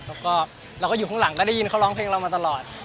เราก็อยู่หลังก็ได้ได้ยินเค้าร้องเพลงเรามาตลอด